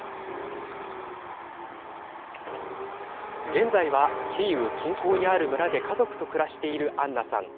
現在は、キーウ近郊にある村で家族と暮らしているアンナさん。